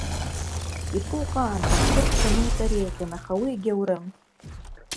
Иԥуҟаанӡа ҳгәы ҳҽануҵар еиӷьын, аха уи егьаурым.